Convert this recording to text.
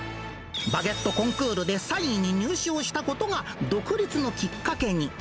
バゲットコンクールで３位に入賞したことが、独立のきっかけに。